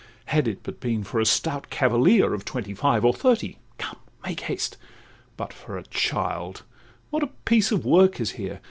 'Had it but been for a stout cavalier Of twenty five or thirty (come, make haste)— But for a child, what piece of work is here!